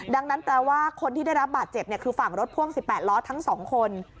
ดังนั้นแปลว่าคนที่ได้รับบาดเจ็บคือฝั่งรถพ่วง๑๘ล้อทั้ง๒คน